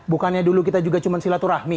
bukannya dulu kita juga cuma silaturahmi